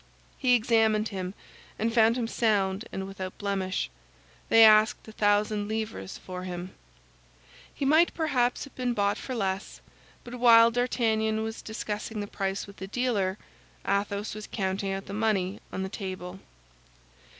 He examined him, and found him sound and without blemish. They asked a thousand livres for him. He might perhaps have been bought for less; but while D'Artagnan was discussing the price with the dealer, Athos was counting out the money on the table.